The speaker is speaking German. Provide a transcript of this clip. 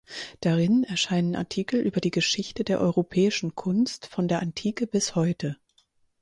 Darin erscheinen Artikel über die Geschichte der europäischen Kunst von der Antike bis heute.